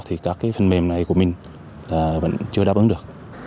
thì các cái phần mềm này của mình vẫn chưa đáp ứng được